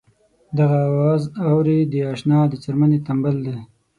دغه اواز اورې د اشنا د څرمنې تمبل دی.